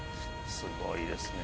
すごいですね。